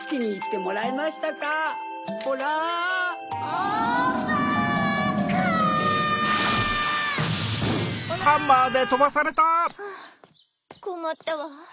はぁこまったわ。